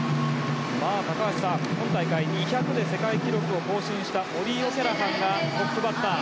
高橋さん、今大会２００ｍで世界記録を更新したモリー・オキャラハンがトップバッター。